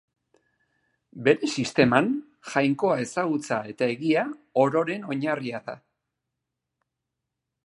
Bere sisteman, Jainkoa ezagutza eta egia ororen oinarria da.